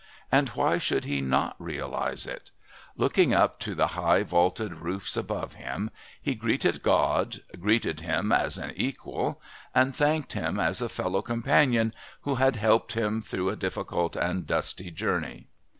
And why should he not realise it? Looking up to the high vaulted roofs above him, he greeted God, greeted Him as an equal, and thanked Him as a fellow companion who had helped him through a difficult and dusty journey.